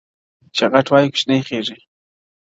o چي غټ وايي، کوچني خيژي.